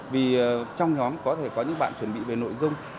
vì trong nhóm có thể có những bạn chuẩn bị về nội dung